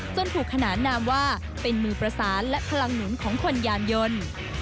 ถูกขนานนามว่าเป็นมือประสานและพลังหนุนของคนยานยนต์